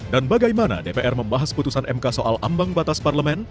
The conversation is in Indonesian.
dan bagaimana dpr membahas putusan mk soal ambang batas parlemen